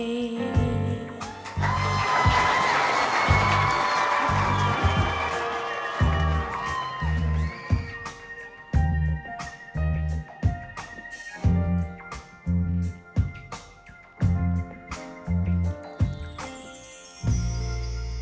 แล้วใจของเธอจะเปลี่ยนไป